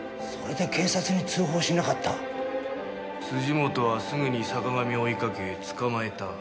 本はすぐに坂上を追いかけ捕まえた。